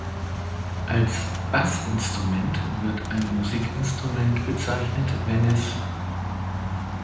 Als „Bassinstrument“ wird ein Musikinstrument bezeichnet, wenn es